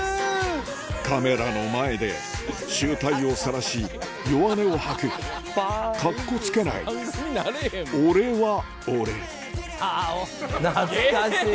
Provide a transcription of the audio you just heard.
カメラの前で醜態をさらし弱音を吐くカッコつけない俺は俺「あぅ！」懐かしい。